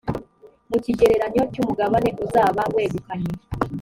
mu kigereranyo cy’umugabane uzaba wegukanye.